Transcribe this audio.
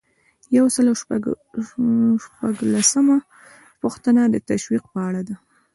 یو سل او شپږلسمه پوښتنه د تشویق په اړه ده.